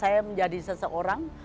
saya menjadi seseorang